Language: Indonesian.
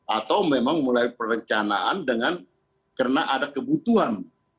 atau memang mulai perencanaan dengan karena ada kebutuhan